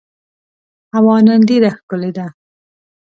هوا نن ډېره ښکلې ده.